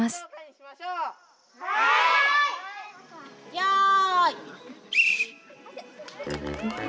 よい。